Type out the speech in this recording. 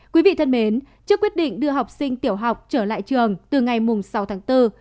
quý vị thân mến trước quyết định đưa học sinh tiểu học trở lại trường từ ngày sáu tháng bốn